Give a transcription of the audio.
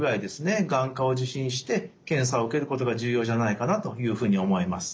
眼科を受診して検査を受けることが重要じゃないかなというふうに思います。